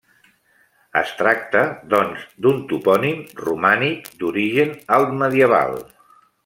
Es tracta, doncs, d'un topònim romànic, d'origen altmedieval.